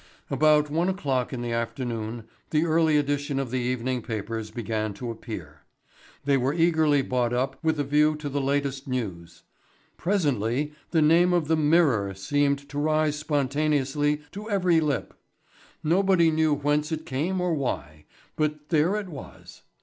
About one o'clock in the afternoon the early edition of the evening papers began to appear. They were eagerly bought up with a view to the latest news. Presently the name of the Mirror seemed to rise spontaneously to every lip. Nobody knew whence it came or why, but there it was.